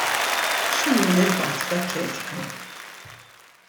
X'unuri rbaħt fl-atletika?